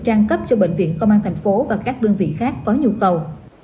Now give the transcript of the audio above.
trang cấp cho bệnh viện công an tp hcm và các đơn vị khác có nhu cầu